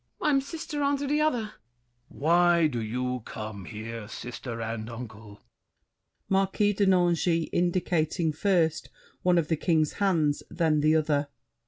MARION. I'm sister Unto the other! THE KING. Why do you come here, Sister and uncle? MARQUIS DE NANGIS (indicating first one of The King's hands, then the other).